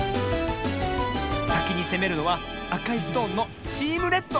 さきにせめるのはあかいストーンのチームレッド。